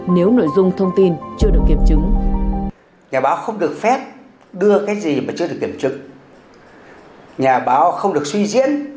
nếu nội dung thông tin chưa được kiểm chứng